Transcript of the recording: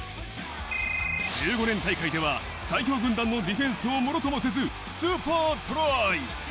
１５年大会では最強軍団のディフェンスをものともせず、スーパートライ。